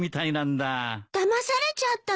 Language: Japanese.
だまされちゃったのね。